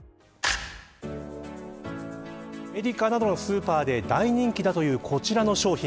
アメリカなどのスーパーで大人気だというこちらの商品。